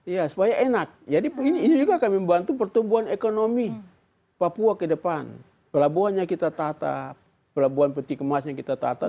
ya supaya enak jadi ini juga akan membantu pertumbuhan ekonomi papua ke depan pelabuhannya kita tatap pelabuhan peti kemas yang kita tata